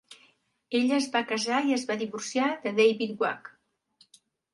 Ella es va casar i es va divorciar de David Hoag.